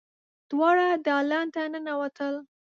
دواړه دالان ته ننوتل.